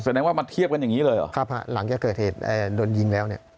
แสดงว่ามาเทียบกันอย่างนี้เลยเหรอครับหลังจากเกิดเหตุโดนยิงแล้วเนี่ย